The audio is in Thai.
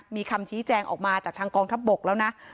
มีคำชี้แจงออกมาจากทางกองทัพบกแล้วนะ